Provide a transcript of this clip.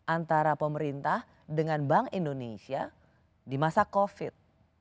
antara pemerintah dengan bank indonesia di masa covid